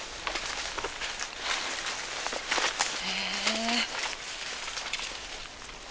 へえ。